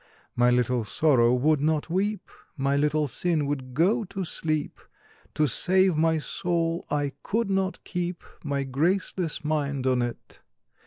My Little Sorrow would not weep, My Little Sin would go to sleep— To save my soul I could not keep My graceless mind on it!